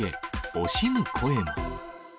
惜しむ声も。